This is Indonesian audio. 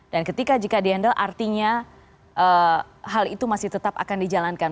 dan ketika jika di handle artinya hal itu masih tetap akan di jalankan